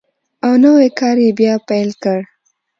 او نوی کار یې بیا پیل کړ.